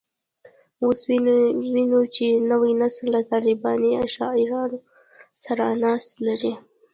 اوس وینو چې نوی نسل له طالباني شعارونو سره انس لري